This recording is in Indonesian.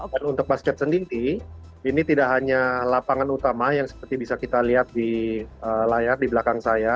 dan untuk basket sendiri ini tidak hanya lapangan utama yang seperti bisa kita lihat di layar di belakang saya